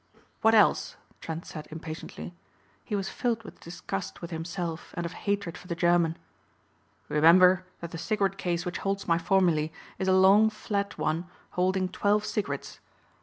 "What else?" Trent said impatiently. He was filled with disgust with himself and of hatred for the German. "Remember that the cigarette case which holds my formulae is a long flat one holding twelve cigarettes.